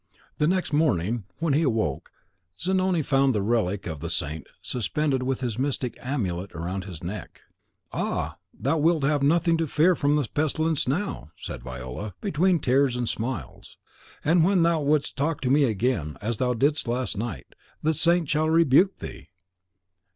The next morning, when he awoke, Zanoni found the relic of the saint suspended with his mystic amulet round his neck. "Ah! thou wilt have nothing to fear from the pestilence now," said Viola, between tears and smiles; "and when thou wouldst talk to me again as thou didst last night, the saint shall rebuke thee."